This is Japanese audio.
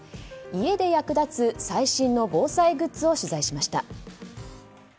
家で役立つ最新の防災グッズを取材しました。